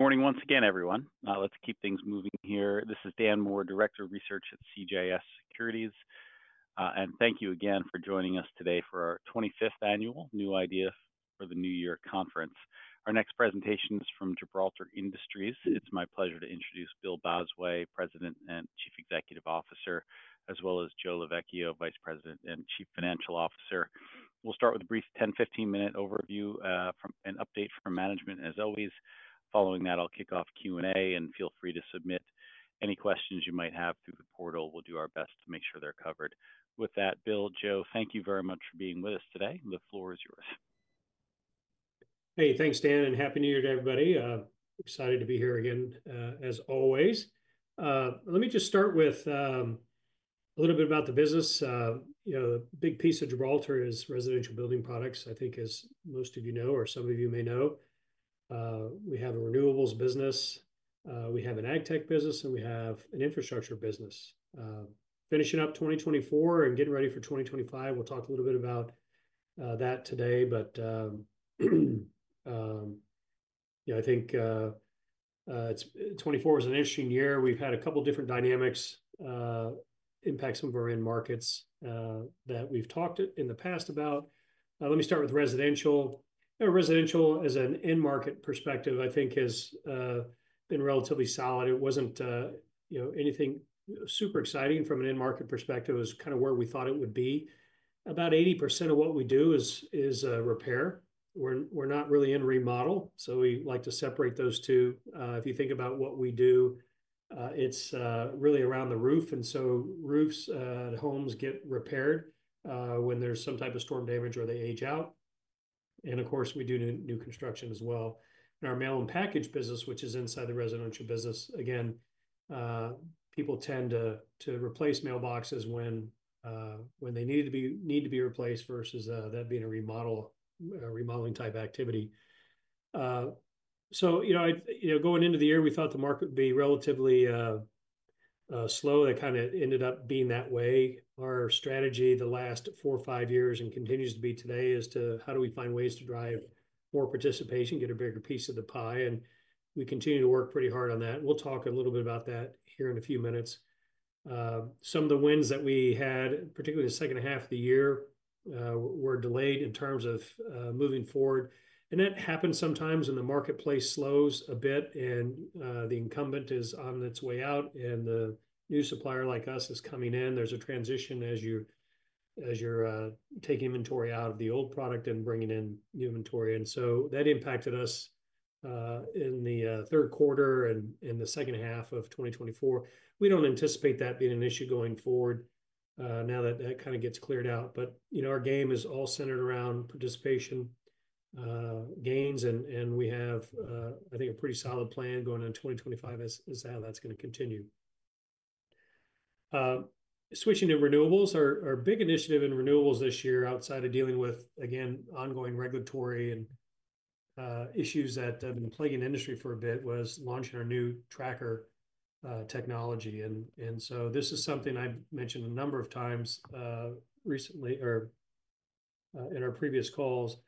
Morning once again, everyone. Let's keep things moving here. This is Dan Moore, Director of Research at CJS Securities, and thank you again for joining us today for our 25th annual New Ideas for the New Year Conference. Our next presentation is from Gibraltar Industries. It's my pleasure to introduce Bill Bosway, President and Chief Executive Officer, as well as Joe Lovechio, Vice President and Chief Financial Officer. We'll start with a brief 10-15 minute overview and update from management, as always. Following that, I'll kick off Q&A, and feel free to submit any questions you might have through the portal. We'll do our best to make sure they're covered. With that, Bill, Joe, thank you very much for being with us today. The floor is yours. Hey, thanks, Dan, and happy New Year to everybody. Excited to be here again, as always. Let me just start with a little bit about the business. You know, the big piece of Gibraltar is residential building products, I think, as most of you know, or some of you may know. We have a renewables business, we have an Agtech business, and we have an infrastructure business. Finishing up 2024 and getting ready for 2025. We'll talk a little bit about that today, but, you know, I think 2024 was an interesting year. We've had a couple different dynamics impact some of our end markets that we've talked in the past about. Let me start with residential. Residential, as an end market perspective, I think has been relatively solid. It wasn't, you know, anything super exciting from an end market perspective. It was kind of where we thought it would be. About 80% of what we do is repair. We're not really in remodel, so we like to separate those two. If you think about what we do, it's really around the roof, and so roofs and homes get repaired when there's some type of storm damage or they age out. And of course, we do new construction as well. And our mail and package business, which is inside the residential business, again, people tend to replace mailboxes when they need to be replaced versus that being a remodeling type activity. So, you know, going into the year, we thought the market would be relatively slow. That kind of ended up being that way. Our strategy the last four or five years and continues to be today is to, how do we find ways to drive more participation, get a bigger piece of the pie? And we continue to work pretty hard on that. We'll talk a little bit about that here in a few minutes. Some of the wins that we had, particularly the second half of the year, were delayed in terms of moving forward. And that happens sometimes when the marketplace slows a bit and the incumbent is on its way out and the new supplier like us is coming in. There's a transition as you're taking inventory out of the old product and bringing in new inventory. And so that impacted us in the third quarter and in the second half of 2024. We don't anticipate that being an issue going forward now that that kind of gets cleared out. But, you know, our game is all centered around participation gains, and we have, I think, a pretty solid plan going into 2025 as to how that's going to continue. Switching to renewables, our big initiative in renewables this year outside of dealing with, again, ongoing regulatory issues that have been plaguing the industry for a bit was launching our new tracker technology. And so this is something I mentioned a number of times recently or in our previous calls,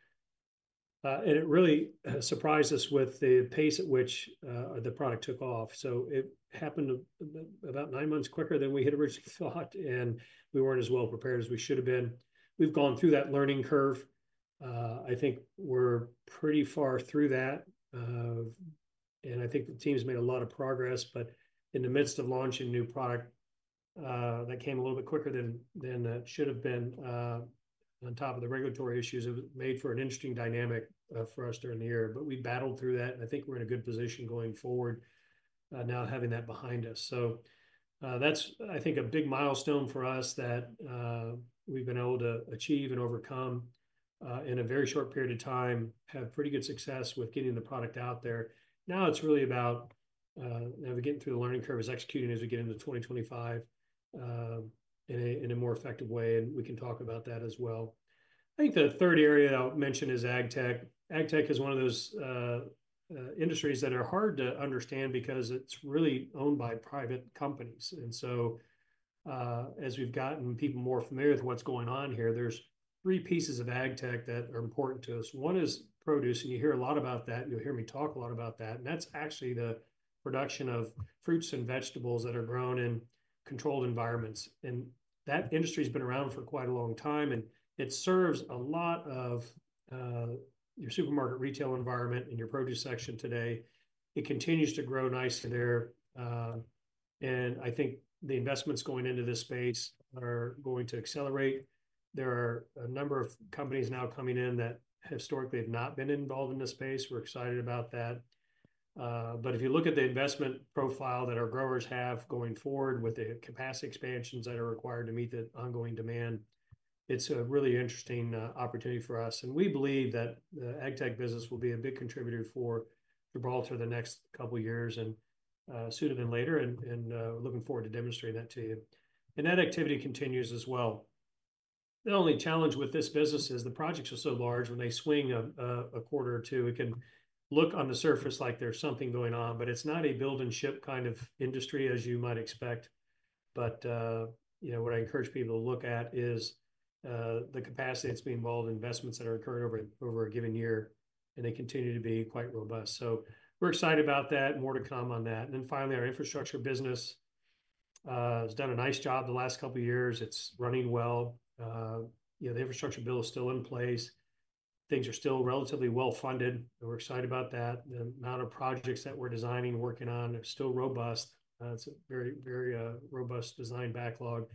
and it really surprised us with the pace at which the product took off. So it happened about nine months quicker than we had originally thought, and we weren't as well prepared as we should have been. We've gone through that learning curve. I think we're pretty far through that, and I think the team's made a lot of progress. But in the midst of launching a new product that came a little bit quicker than that should have been on top of the regulatory issues. It made for an interesting dynamic for us during the year, but we battled through that, and I think we're in a good position going forward now having that behind us. So that's, I think, a big milestone for us that we've been able to achieve and overcome in a very short period of time, have pretty good success with getting the product out there. Now it's really about, now we're getting through the learning curve, is executing as we get into 2025 in a more effective way, and we can talk about that as well. I think the third area I'll mention is Agtech. AgTech is one of those industries that are hard to understand because it's really owned by private companies, and so as we've gotten people more familiar with what's going on here, there's three pieces of AgTech that are important to us. One is produce, and you hear a lot about that. You'll hear me talk a lot about that, and that's actually the production of fruits and vegetables that are grown in controlled environments, and that industry has been around for quite a long time, and it serves a lot of your supermarket retail environment and your produce section today. It continues to grow nicely there, and I think the investments going into this space are going to accelerate. There are a number of companies now coming in that historically have not been involved in this space. We're excited about that. But if you look at the investment profile that our growers have going forward with the capacity expansions that are required to meet the ongoing demand, it's a really interesting opportunity for us. And we believe that the Agtech business will be a big contributor for Gibraltar the next couple of years and sooner than later, and we're looking forward to demonstrating that to you. And that activity continues as well. The only challenge with this business is the projects are so large when they swing a quarter or two. It can look on the surface like there's something going on, but it's not a build-and-ship kind of industry as you might expect. But, you know, what I encourage people to look at is the capacity that's been involved in investments that are occurring over a given year, and they continue to be quite robust. So we're excited about that. More to come on that. And then finally, our infrastructure business has done a nice job the last couple of years. It's running well. You know, the Infrastructure Bill is still in place. Things are still relatively well funded, and we're excited about that. The amount of projects that we're designing and working on are still robust. It's a very, very robust design backlog.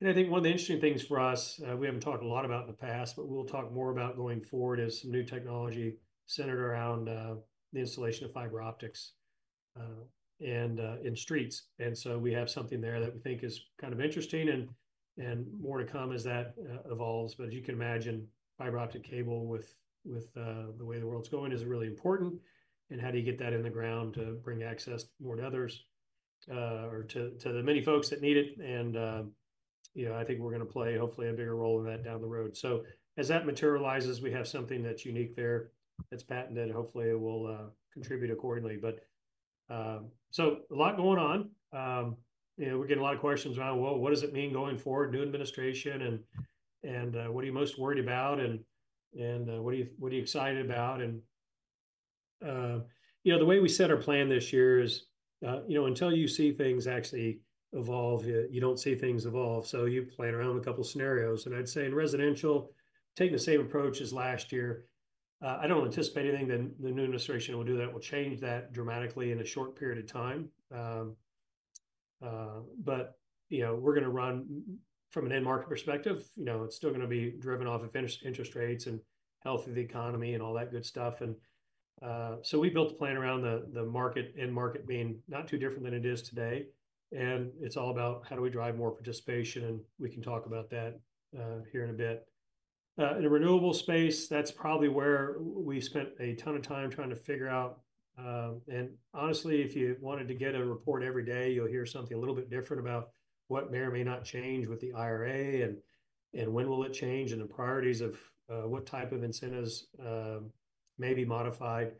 And I think one of the interesting things for us, we haven't talked a lot about in the past, but we'll talk more about going forward is some new technology centered around the installation of fiber optics in streets. And so we have something there that we think is kind of interesting, and more to come as that evolves. But as you can imagine, fiber optic cable with the way the world's going is really important, and how do you get that in the ground to bring access more to others or to the many folks that need it? And, you know, I think we're going to play hopefully a bigger role in that down the road. So as that materializes, we have something that's unique there that's patented, and hopefully it will contribute accordingly. But so a lot going on. You know, we get a lot of questions around, well, what does it mean going forward, new administration, and what are you most worried about, and what are you excited about? And, you know, the way we set our plan this year is, you know, until you see things actually evolve, you don't see things evolve. So you play around with a couple of scenarios. I'd say in residential, taking the same approach as last year, I don't anticipate anything the new administration will do that will change that dramatically in a short period of time. You know, we're going to run from an end market perspective. You know, it's still going to be driven off of interest rates and health of the economy and all that good stuff. We built a plan around the market, end market being not too different than it is today. It's all about how do we drive more participation, and we can talk about that here in a bit. In the renewable space, that's probably where we spent a ton of time trying to figure out. And honestly, if you wanted to get a report every day, you'll hear something a little bit different about what may or may not change with the IRA and when will it change and the priorities of what type of incentives may be modified.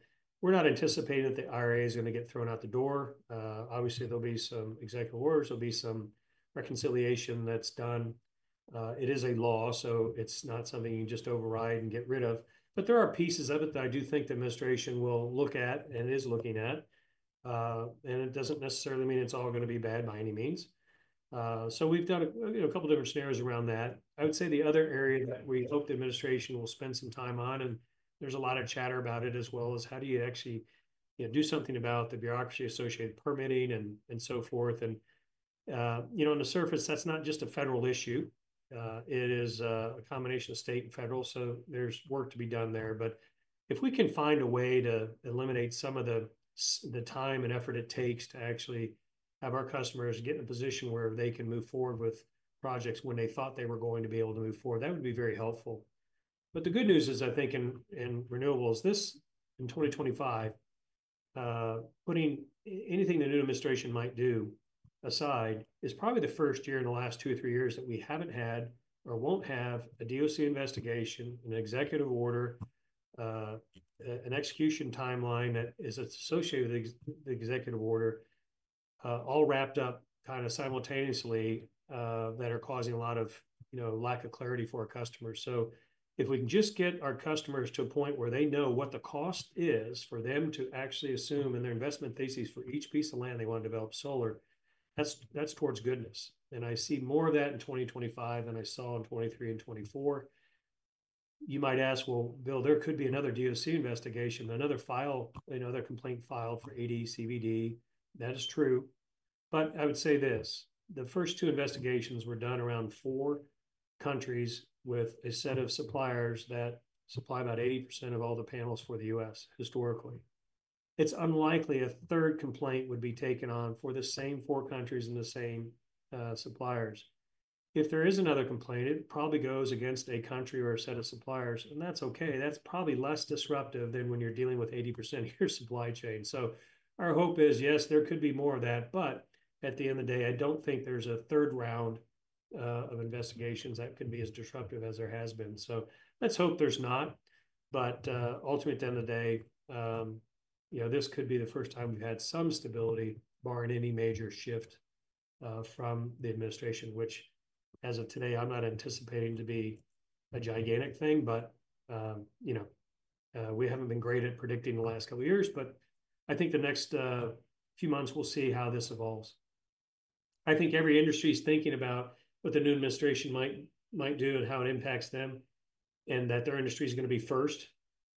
We're not anticipating that the IRA is going to get thrown out the door. Obviously, there'll be some executive orders. There'll be some reconciliation that's done. It is a law, so it's not something you can just override and get rid of. But there are pieces of it that I do think the administration will look at and is looking at. And it doesn't necessarily mean it's all going to be bad by any means. So we've done a couple of different scenarios around that. I would say the other area that we hope the administration will spend some time on, and there's a lot of chatter about it as well as how do you actually do something about the bureaucracy associated with permitting and so forth. And, you know, on the surface, that's not just a federal issue. It is a combination of state and federal. So there's work to be done there. But if we can find a way to eliminate some of the time and effort it takes to actually have our customers get in a position where they can move forward with projects when they thought they were going to be able to move forward, that would be very helpful. But the good news is, I think in renewables, this in 2025, putting anything the new administration might do aside, is probably the first year in the last two or three years that we haven't had or won't have a DOC investigation, an executive order, an execution timeline that is associated with the executive order, all wrapped up kind of simultaneously that are causing a lot of, you know, lack of clarity for our customers. So if we can just get our customers to a point where they know what the cost is for them to actually assume in their investment theses for each piece of land they want to develop solar, that's towards goodness. And I see more of that in 2025 than I saw in 2023 and 2024. You might ask, well, Bill, there could be another DOC investigation, another file, another complaint filed for AD/CVD. That is true. But I would say this, the first two investigations were done around four countries with a set of suppliers that supply about 80% of all the panels for the U.S. historically. It's unlikely a third complaint would be taken on for the same four countries and the same suppliers. If there is another complaint, it probably goes against a country or a set of suppliers, and that's okay. That's probably less disruptive than when you're dealing with 80% of your supply chain. So our hope is, yes, there could be more of that. But at the end of the day, I don't think there's a third round of investigations that can be as disruptive as there has been. So let's hope there's not. But ultimately, at the end of the day, you know, this could be the first time we've had some stability, barring any major shift from the administration, which as of today, I'm not anticipating to be a gigantic thing. But, you know, we haven't been great at predicting the last couple of years, but I think the next few months we'll see how this evolves. I think every industry is thinking about what the new administration might do and how it impacts them and that their industry is going to be first.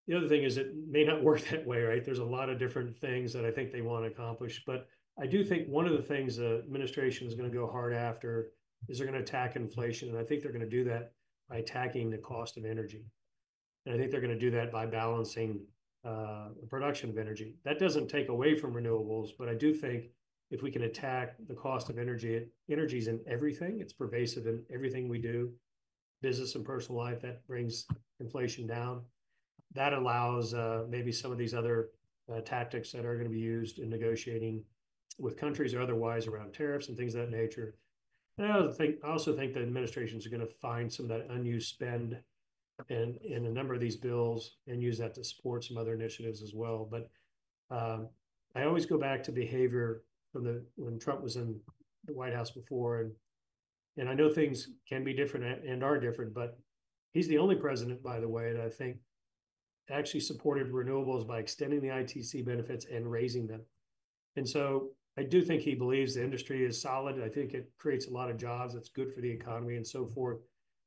The other thing is it may not work that way, right? There's a lot of different things that I think they want to accomplish. But I do think one of the things the administration is going to go hard after is they're going to attack inflation. I think they're going to do that by attacking the cost of energy. I think they're going to do that by balancing the production of energy. That doesn't take away from renewables, but I do think if we can attack the cost of energy, energy is in everything. It's pervasive in everything we do, business and personal life that brings inflation down. That allows maybe some of these other tactics that are going to be used in negotiating with countries or otherwise around tariffs and things of that nature. I also think the administration is going to find some of that unused spend in a number of these bills and use that to support some other initiatives as well. I always go back to behavior from when Trump was in the White House before. And I know things can be different and are different, but he's the only president, by the way, that I think actually supported renewables by extending the ITC benefits and raising them. And so I do think he believes the industry is solid. I think it creates a lot of jobs. It's good for the economy and so forth.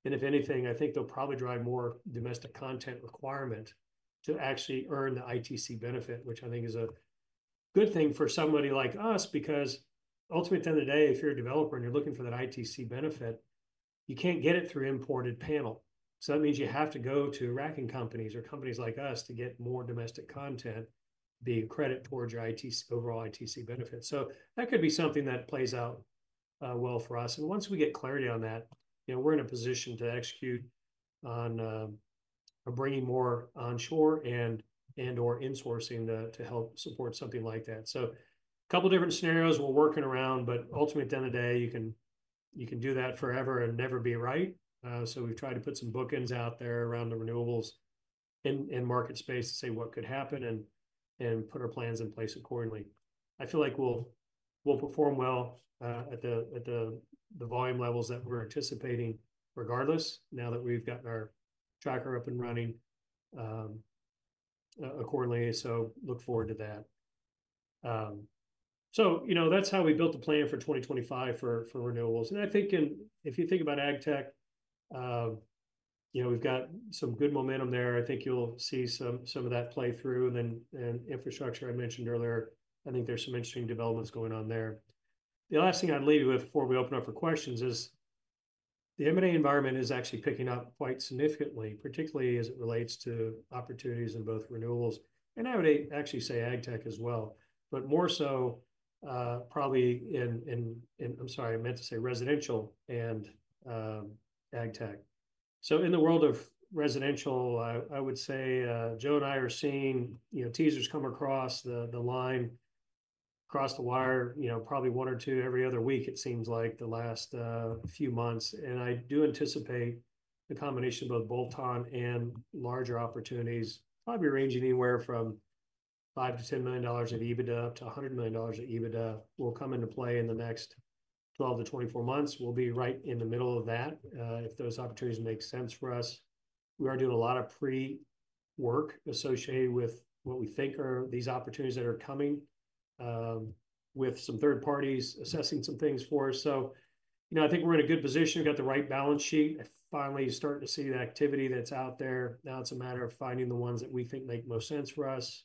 And if anything, I think they'll probably drive more domestic content requirement to actually earn the ITC benefit, which I think is a good thing for somebody like us because ultimately, at the end of the day, if you're a developer and you're looking for that ITC benefit, you can't get it through imported panel. So that means you have to go to racking companies or companies like us to get more domestic content, the credit towards your overall ITC benefit. So that could be something that plays out well for us. And once we get clarity on that, you know, we're in a position to execute on bringing more onshore and/or insourcing to help support something like that. So a couple of different scenarios we're working around, but ultimately, at the end of the day, you can do that forever and never be right. So we've tried to put some bookends out there around the renewables in market space to say what could happen and put our plans in place accordingly. I feel like we'll perform well at the volume levels that we're anticipating regardless now that we've gotten our tracker up and running accordingly. So look forward to that. So, you know, that's how we built the plan for 2025 for renewables. And I think if you think about Agtech, you know, we've got some good momentum there. I think you'll see some of that play through. And then infrastructure I mentioned earlier, I think there's some interesting developments going on there. The last thing I'd leave you with before we open up for questions is the M&A environment is actually picking up quite significantly, particularly as it relates to opportunities in both renewables. And I would actually say Agtech as well, but more so probably in, I'm sorry, I meant to say residential and Agtech. So in the world of residential, I would say Joe and I are seeing, you know, teasers come across the line, across the wire, you know, probably one or two every other week, it seems like the last few months. I do anticipate the combination of both bolt-on and larger opportunities probably ranging anywhere from $5-$10 million of EBITDA up to $100 million of EBITDA will come into play in the next 12-24 months. We'll be right in the middle of that if those opportunities make sense for us. We are doing a lot of pre-work associated with what we think are these opportunities that are coming with some third parties assessing some things for us. You know, I think we're in a good position. We've got the right balance sheet. Finally, starting to see the activity that's out there. Now it's a matter of finding the ones that we think make most sense for us,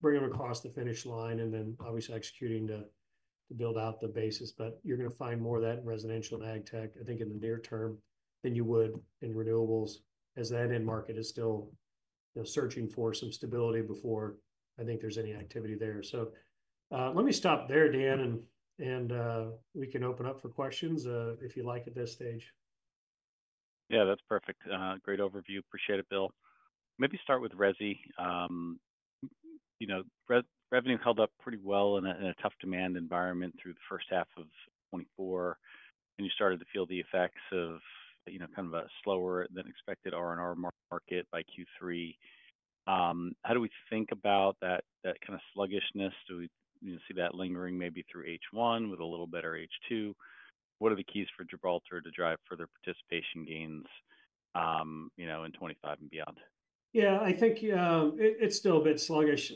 bringing them across the finish line, and then obviously executing to build out the basis. But you're going to find more of that in residential and Agtech, I think in the near term than you would in renewables as that end market is still, you know, searching for some stability before I think there's any activity there. So let me stop there, Dan, and we can open up for questions if you'd like at this stage. Yeah that's perfect Great overview. Appreciate it, Bill. Maybe start with Resi. You know, revenue held up pretty well in a tough demand environment through the first half of 2024. And you started to feel the effects of, you know, kind of a slower than expected R&R market by Q3. How do we think about that kind of sluggishness? Do we see that lingering maybe through H1 with a little better H2? What are the keys for Gibraltar to drive further participation gains, you know, in 2025 and beyond? Yeah, I think it's still a bit sluggish.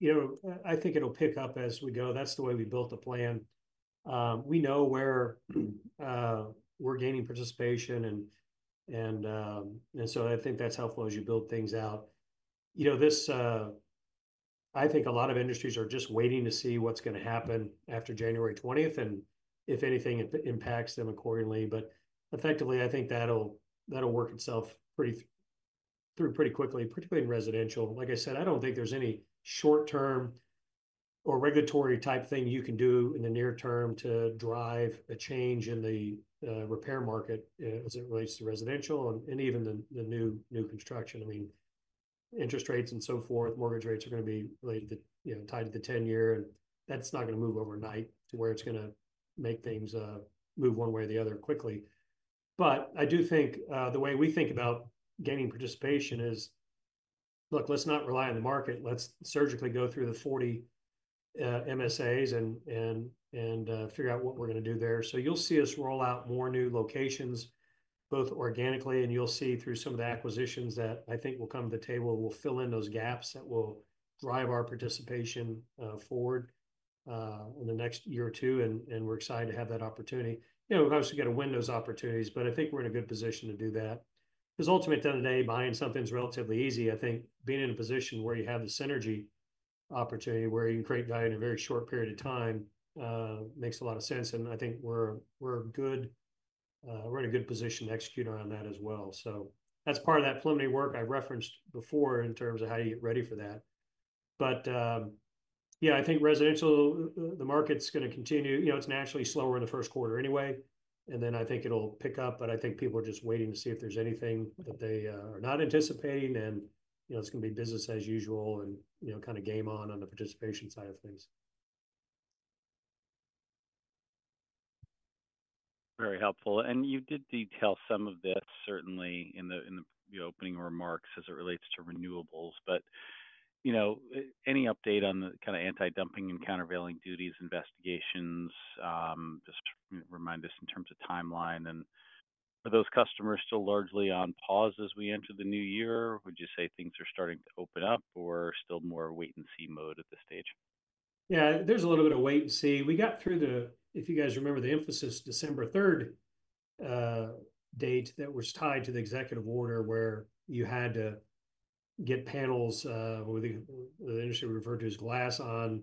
You know, I think it'll pick up as we go. That's the way we built the plan. We know where we're gaining participation. And so I think that's helpful as you build things out. You know, I think a lot of industries are just waiting to see what's going to happen after January 20th and if anything impacts them accordingly. But effectively, I think that'll work itself through pretty quickly, particularly in residential. Like I said, I don't think there's any short-term or regulatory type thing you can do in the near term to drive a change in the repair market as it relates to residential and even the new construction. I mean, interest rates and so forth, mortgage rates are going to be tied to the 10-year, and that's not going to move overnight to where it's going to make things move one way or the other quickly. But I do think the way we think about gaining participation is, look, let's not rely on the market. Let's surgically go through the 40 MSAs and figure out what we're going to do there. So you'll see us roll out more new locations both organically, and you'll see through some of the acquisitions that I think will come to the table, we'll fill in those gaps that will drive our participation forward in the next year or two. And we're excited to have that opportunity. You know, we've obviously got to win those opportunities, but I think we're in a good position to do that. Because ultimately, at the end of the day, buying something is relatively easy. I think being in a position where you have the synergy opportunity where you can create value in a very short period of time makes a lot of sense, and I think we're in a good position to execute around that as well, so that's part of that preliminary work I referenced before in terms of how you get ready for that. But yeah, I think residential, the market's going to continue. You know, it's naturally slower in the first quarter anyway, and then I think it'll pick up, but I think people are just waiting to see if there's anything that they are not anticipating, and, you know, it's going to be business as usual and, you know, kind of game on on the participation side of things. Very helpful. And you did detail some of this certainly in the opening remarks as it relates to renewables. But, you know, any update on the kind of anti-dumping and countervailing duties investigations? Just remind us in terms of timeline. And are those customers still largely on pause as we enter the new year? Would you say things are starting to open up or still more wait-and-see mode at this stage? Yeah, there's a little bit of wait-and-see. We got through the, if you guys remember, the infamous December 3rd date that was tied to the executive order where you had to get panels with the industry we refer to as glass on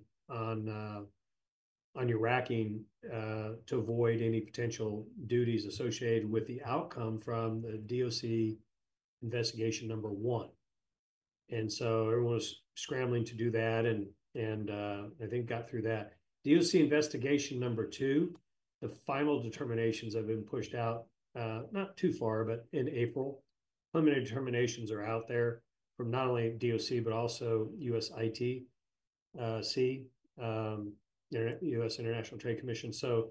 your racking to avoid any potential duties associated with the outcome from the DOC investigation number one. And so everyone was scrambling to do that. And I think got through that. DOC investigation number two, the final determinations have been pushed out not too far, but in April. Preliminary determinations are out there from not only DOC, but also USITC, U.S. International Trade Commission, so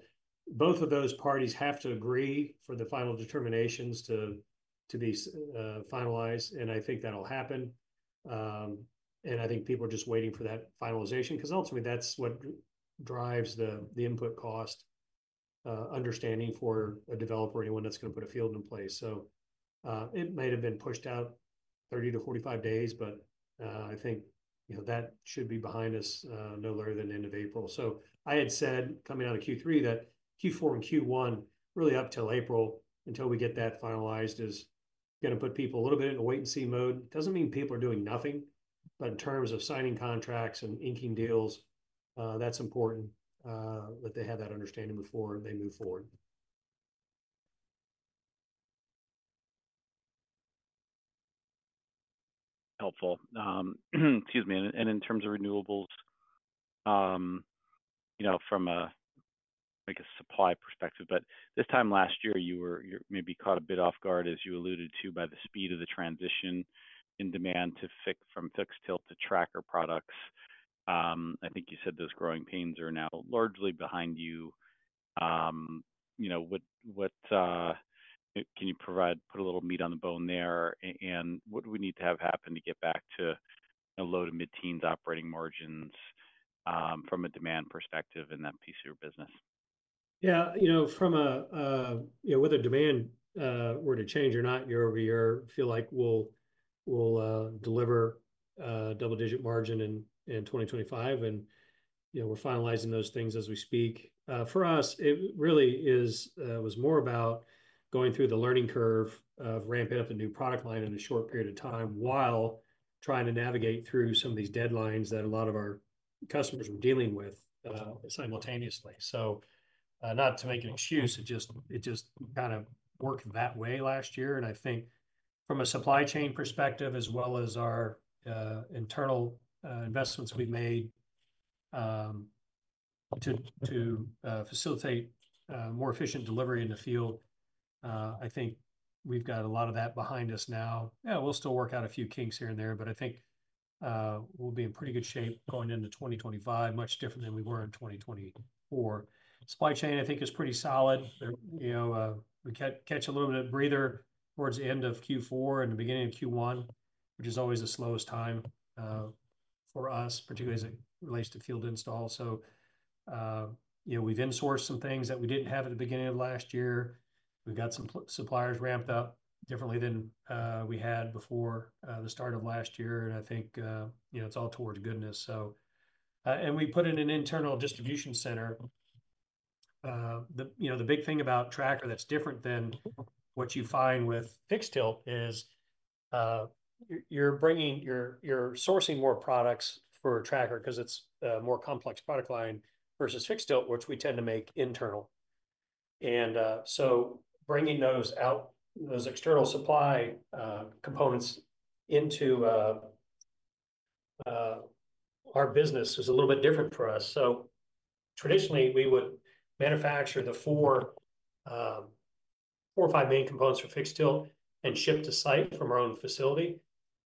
both of those parties have to agree for the final determinations to be finalized, and I think that'll happen, and I think people are just waiting for that finalization because ultimately that's what drives the input cost understanding for a developer or anyone that's going to put a field in place, so it might have been pushed out 30 to 45 days, but I think, you know, that should be behind us no later than the end of April, so I had said coming out of Q3 that Q4 and Q1 really up till April until we get that finalized is going to put people a little bit in a wait-and-see mode. It doesn't mean people are doing nothing. But in terms of signing contracts and inking deals, that's important that they have that understanding before they move forward. Helpful. Excuse me. And in terms of renewables, you know, from a, I guess, supply perspective, but this time last year, you were maybe caught a bit off guard, as you alluded to, by the speed of the transition in demand from fixed tilt to tracker products. I think you said those growing pains are now largely behind you. You know, can you provide, put a little meat on the bone there? And what do we need to have happen to get back to low to mid-teens operating margins from a demand perspective in that piece of your business? Yeah, you know, from a, you know, whether demand were to change or not, year over year, I feel like we'll deliver a double-digit margin in 2025. And, you know, we're finalizing those things as we speak. For us, it really was more about going through the learning curve of ramping up the new product line in a short period of time while trying to navigate through some of these deadlines that a lot of our customers were dealing with simultaneously. So not to make an excuse, it just kind of worked that way last year. And I think from a supply chain perspective, as well as our internal investments we've made to facilitate more efficient delivery in the field, I think we've got a lot of that behind us now. Yeah, we'll still work out a few kinks here and there, but I think we'll be in pretty good shape going into 2025, much different than we were in 2024. Supply chain, I think, is pretty solid. You know, we catch a little bit of breather towards the end of Q4 and the beginning of Q1, which is always the slowest time for us, particularly as it relates to field install, so you know, we've insourced some things that we didn't have at the beginning of last year. We've got some suppliers ramped up differently than we had before the start of last year, and I think, you know, it's all towards goodness, so, and we put in an internal distribution center. You know, the big thing about Tracker that's different than what you find with fixed Tilt is you're bringing, you're sourcing more products for tracker because it's a more complex product line versus fixed Tilt, which we tend to make internal, and so bringing those out, those external supply components into our business is a little bit different for us, so traditionally, we would manufacture the four or five main components for fixed Tilt and ship to site from our own facility.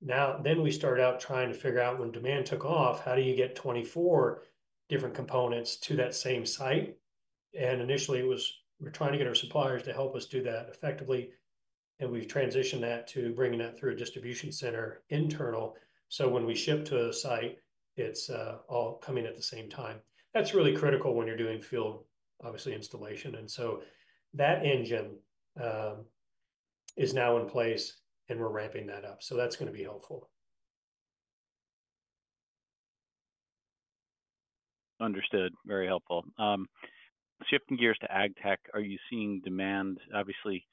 Now then we start out trying to figure out when demand took off, how do you get 24 different components to that same site, and initially, we're trying to get our suppliers to help us do that effectively, and we've transitioned that to bringing that through a distribution center internal, so when we ship to a site, it's all coming at the same time. That's really critical when you're doing field, obviously, installation. And so that engine is now in place, and we're ramping that up. So that's going to be helpful. Understood. Very helpful. Shifting gears to Agtech, are you seeing demand? Obviously,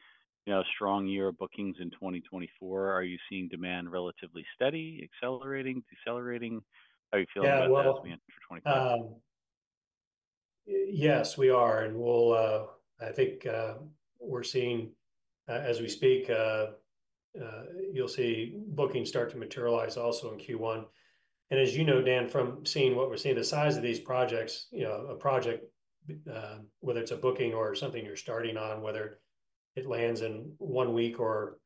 you know, strong year bookings in 2024. Are you seeing demand relatively steady, accelerating, decelerating? How do you feel about that as we enter for 2025? Yes, we are. And I think we're seeing, as we speak, you'll see bookings start to materialize also in Q1. And as you know, Dan, from seeing what we're seeing, the size of these projects, you know, a project, whether it's a booking or something you're starting on, whether it lands in one week or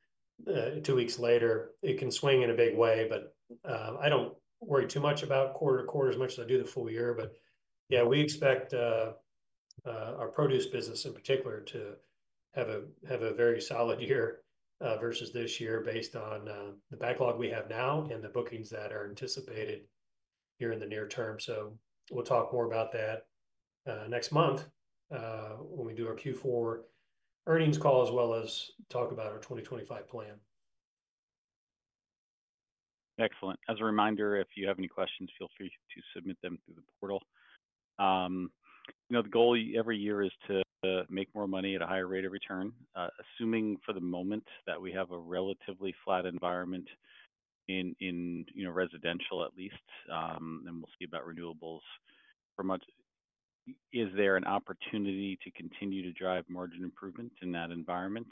two weeks later, it can swing in a big way. But I don't worry too much about quarter to quarter as much as I do the full year. But yeah, we expect our produce business in particular to have a very solid year versus this year based on the backlog we have now and the bookings that are anticipated here in the near term. So we'll talk more about that next month when we do our Q4 earnings call as well as talk about our 2025 plan. Excellent. As a reminder, if you have any questions, feel free to submit them through the portal. You know, the goal every year is to make more money at a higher rate of return, assuming for the moment that we have a relatively flat environment in, you know, residential at least, and we'll see about renewables for much. Is there an opportunity to continue to drive margin improvement in that environment,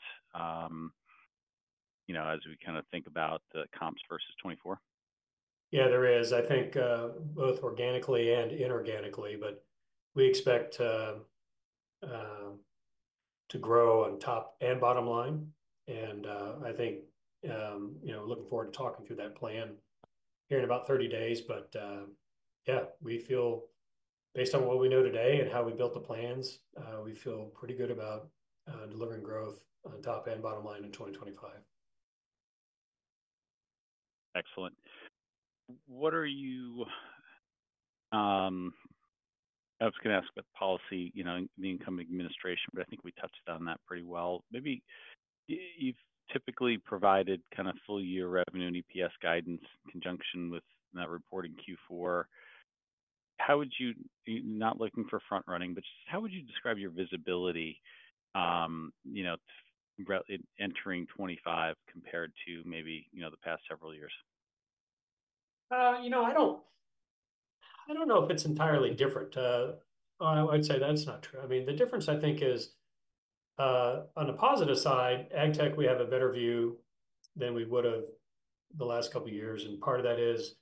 you know, as we kind of think about the comps versus 2024? Yeah, there is. I think both organically and inorganically, but we expect to grow on top and bottom line. And I think, you know, looking forward to talking through that plan here in about 30 days. But yeah, we feel, based on what we know today and how we built the plans, we feel pretty good about delivering growth on top and bottom line in 2025. Excellent. What are you? I was going to ask about policy, you know, the incoming administration, but I think we touched on that pretty well. Maybe you've typically provided kind of full year revenue and EPS guidance in conjunction with that report in Q4. How would you? Not looking for front-running, but just how would you describe your visibility, you know, entering 2025 compared to maybe, you know, the past several years? You know, I don't know if it's entirely different. I would say that's not true. I mean, the difference I think is on the positive side, Agtech. We have a better view than we would have the last couple of years, and part of that is,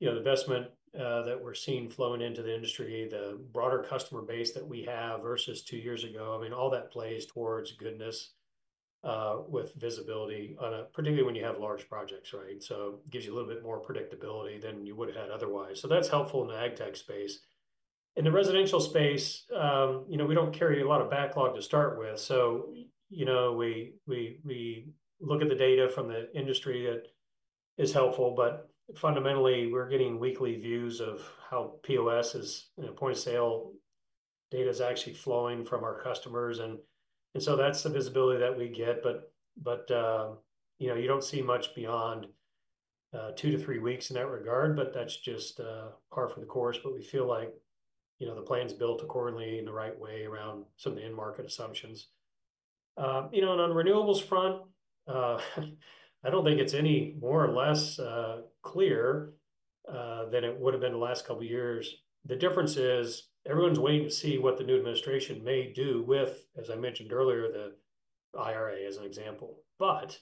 you know, the investment that we're seeing flowing into the industry, the broader customer base that we have versus two years ago. I mean, all that plays towards goodness with visibility, particularly when you have large projects, right, so it gives you a little bit more predictability than you would have had otherwise. So that's helpful in the Agtech space. In the residential space, you know, we don't carry a lot of backlog to start with, so you know, we look at the data from the industry that is helpful, but fundamentally, we're getting weekly views of how POS is, you know, point of sale data is actually flowing from our customers. And so that's the visibility that we get. But, you know, you don't see much beyond two to three weeks in that regard, but that's just par for the course. But we feel like, you know, the plan's built accordingly in the right way around some of the end market assumptions. You know, and on the renewables front, I don't think it's any more or less clear than it would have been the last couple of years. The difference is everyone's waiting to see what the new administration may do with, as I mentioned earlier, the IRA as an example. But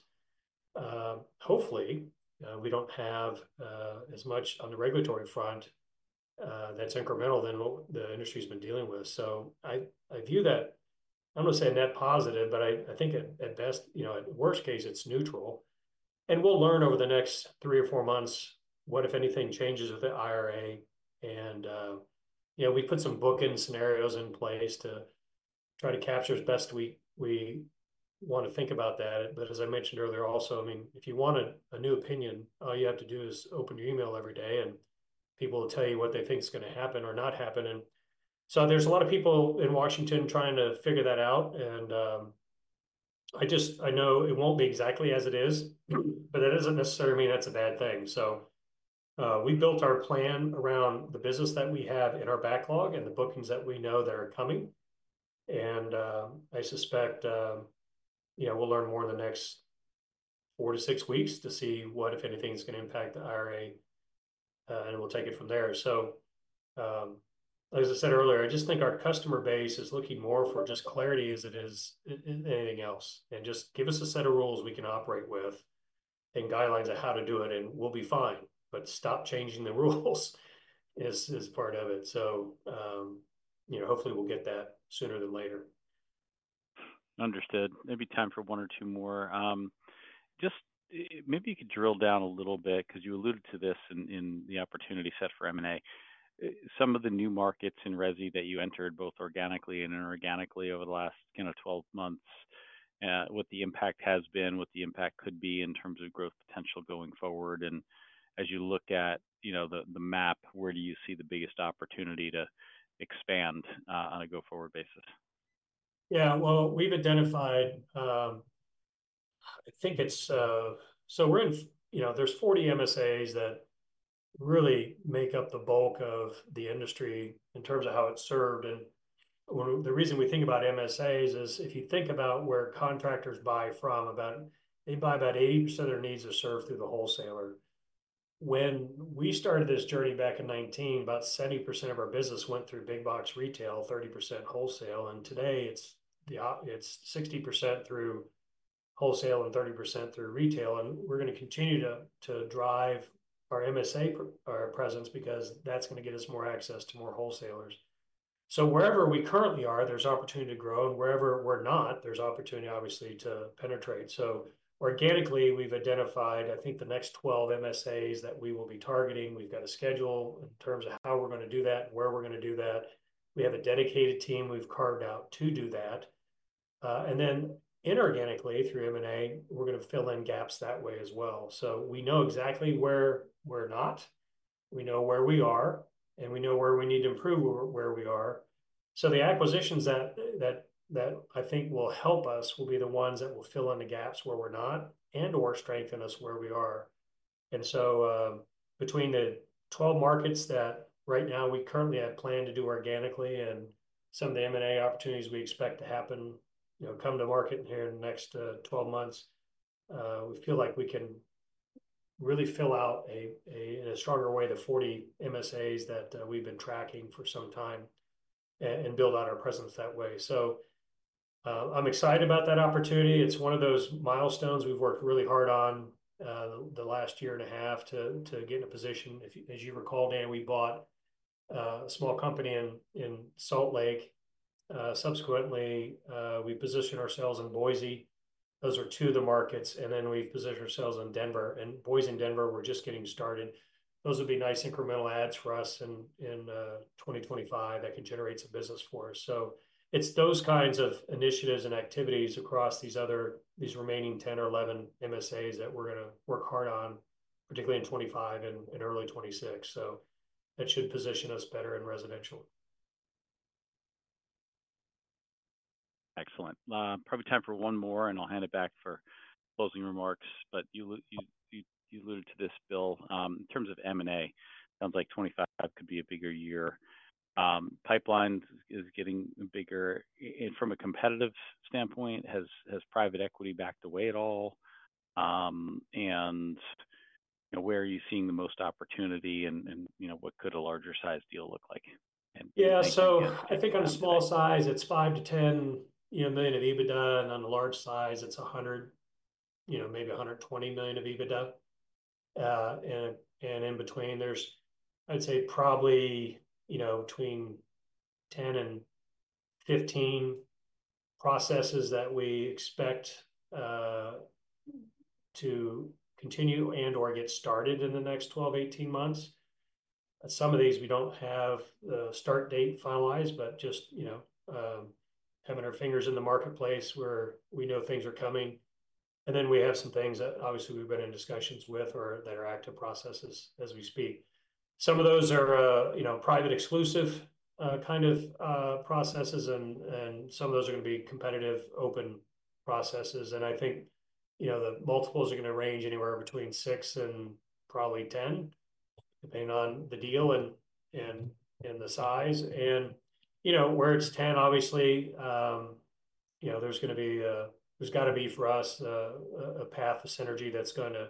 hopefully, we don't have as much on the regulatory front that's incremental than what the industry has been dealing with. So I view that, I'm going to say, net positive, but I think at best, you know, at worst case, it's neutral. And we'll learn over the next three or four months what, if anything, changes with the IRA. And, you know, we put some bookend scenarios in place to try to capture as best we want to think about that. But as I mentioned earlier also, I mean, if you want a new opinion, all you have to do is open your email every day, and people will tell you what they think is going to happen or not happen. And so there's a lot of people in Washington trying to figure that out. And I just, I know it won't be exactly as it is, but that doesn't necessarily mean that's a bad thing. So we built our plan around the business that we have in our backlog and the bookings that we know that are coming. And I suspect, you know, we'll learn more in the next four to six weeks to see what, if anything, is going to impact the IRA, and we'll take it from there. So, as I said earlier, I just think our customer base is looking more for just clarity as it is anything else. And just give us a set of rules we can operate with and guidelines on how to do it, and we'll be fine. But stop changing the rules is part of it. So, you know, hopefully we'll get that sooner than later. Understood. Maybe time for one or two more. Just maybe you could drill down a little bit because you alluded to this in the opportunity set for M&A. Some of the new markets in RESI that you entered, both organically and inorganically, over the last, you know, 12 months—what the impact has been, what the impact could be in terms of growth potential going forward. As you look at, you know, the map, where do you see the biggest opportunity to expand on a go-forward basis? Yeah. Well, we've identified, I think it's—so we're in, you know, there's 40 MSAs that really make up the bulk of the industry in terms of how it's served. The reason we think about MSAs is if you think about where contractors buy from, about they buy about 80% of their needs are served through the wholesaler. When we started this journey back in 2019, about 70% of our business went through big box retail, 30% wholesale. Today, it's 60% through wholesale and 30% through retail. And we're going to continue to drive our MSA presence because that's going to get us more access to more wholesalers. So wherever we currently are, there's opportunity to grow. And wherever we're not, there's opportunity, obviously, to penetrate. So organically, we've identified, I think, the next 12 MSAs that we will be targeting. We've got a schedule in terms of how we're going to do that and where we're going to do that. We have a dedicated team we've carved out to do that. And then inorganically, through M&A, we're going to fill in gaps that way as well. So we know exactly where we're not. We know where we are, and we know where we need to improve where we are. So the acquisitions that I think will help us will be the ones that will fill in the gaps where we're not and/or strengthen us where we are. And so between the 12 markets that right now we currently have planned to do organically and some of the M&A opportunities we expect to happen, you know, come to market here in the next 12 months, we feel like we can really fill out in a stronger way the 40 MSAs that we've been tracking for some time and build out our presence that way. So I'm excited about that opportunity. It's one of those milestones we've worked really hard on the last year and a half to get in a position. As you recall, Dan, we bought a small company in Salt Lake. Subsequently, we positioned ourselves in Boise. Those are two of the markets. And then we've positioned ourselves in Denver. And Boise and Denver, we're just getting started. Those would be nice incremental adds for us in 2025 that can generate some business for us. So it's those kinds of initiatives and activities across these other remaining 10 or 11 MSAs that we're going to work hard on, particularly in 2025 and early 2026. So that should position us better in residential. Excellent. Probably time for one more, and I'll hand it back for closing remarks. But you alluded to this, Bill. In terms of M&A, it sounds like 2025 could be a bigger year. Pipeline is getting bigger from a competitive standpoint. Has private equity backed the way at all? And where are you seeing the most opportunity and, you know, what could a larger size deal look like? Yeah. I think on a small size, it's $5-$10 million of EBITDA. On a large size, it's 100, you know, maybe 120 million of EBITDA. In between, there's, I'd say, probably, you know, between 10 and 15 processes that we expect to continue and/or get started in the next 12-18 months. Some of these we don't have the start date finalized, but just, you know, having our fingers in the marketplace where we know things are coming. Then we have some things that obviously we've been in discussions with or that are active processes as we speak. Some of those are, you know, private exclusive kind of processes, and some of those are going to be competitive open processes. I think, you know, the multiples are going to range anywhere between 6 and probably 10, depending on the deal and the size. You know, where it's 10, obviously, you know, there's going to be, there's got to be, for us, a path of synergy that's going to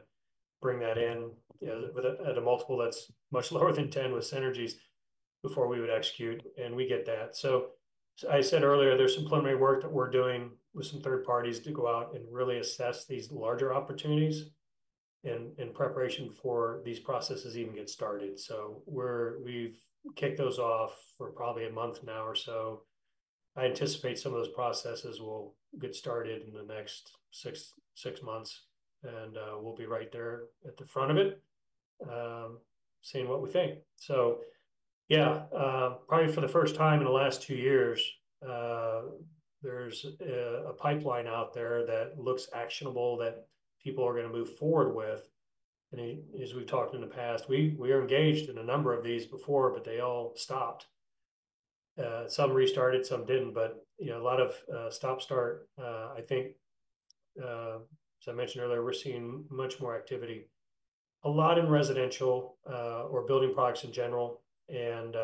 bring that in at a multiple that's much lower than 10 with synergies before we would execute, and we get that. I said earlier, there's some preliminary work that we're doing with some third parties to go out and really assess these larger opportunities in preparation before these processes even get started. We've kicked those off for probably a month now or so. I anticipate some of those processes will get started in the next six months, and we'll be right there at the front of it, seeing what we think. Yeah, probably for the first time in the last two years, there's a pipeline out there that looks actionable that people are going to move forward with. And as we've talked in the past, we are engaged in a number of these before, but they all stopped. Some restarted, some didn't. But, you know, a lot of stop-start, I think, as I mentioned earlier, we're seeing much more activity, a lot in residential or building products in general. And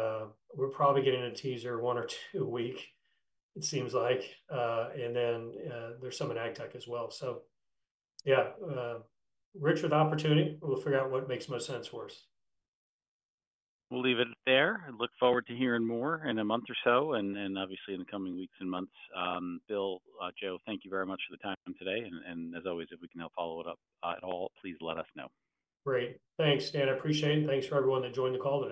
we're probably getting a teaser one or two a week, it seems like. And then there's some in Agtech as well. So yeah, rich with opportunity. We'll figure out what makes most sense for us. We'll leave it there and look forward to hearing more in a month or so, and obviously in the coming weeks and months. Bill, Joe, thank you very much for the time today. And as always, if we can help follow it up at all, please let us know. Great. Thanks, Dan. I appreciate it. Thanks for everyone that joined the call.